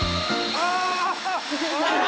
ああ！